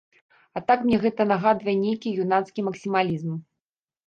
А так мне гэта нагадвае нейкі юнацкі максімалізм.